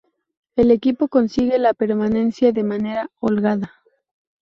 El equipo consigue la permanencia de manera holgada.